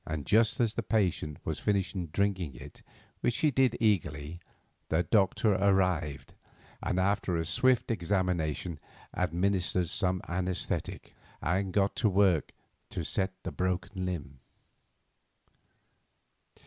Just as the patient finished drinking it, which he did eagerly, the doctor arrived, and after a swift examination administered some anaesthetic, and got to work to set the broken limb.